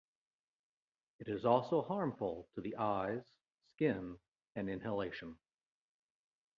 It is also harmful to the eyes, skin, and inhalation.